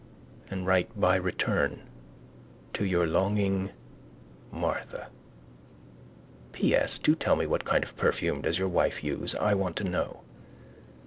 and write by return to your longing Martha P. S. Do tell me what kind of perfume does your wife use. I want to know.